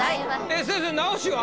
えっ先生直しは？